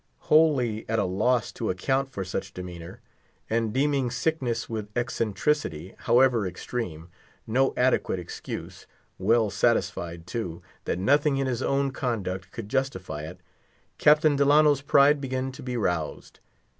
Wholly at a loss to account for such demeanor, and deeming sickness with eccentricity, however extreme, no adequate excuse, well satisfied, too, that nothing in his own conduct could justify it, Captain Delano's pride began to be roused.